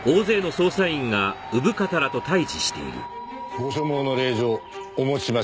ご所望の令状お持ちしましたよ。